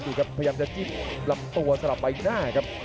ครับพยายามจะจิ้มลำตัวสลับใบหน้าครับ